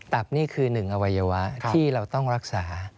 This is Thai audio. นี่คือหนึ่งอวัยวะที่เราต้องรักษา